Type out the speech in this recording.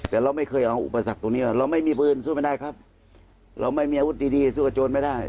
แต่เราไม่เคยเอาอุปสรรคตรงนี้นะเราไม่มีอาวุธดีสู้กับโจรไม่ได้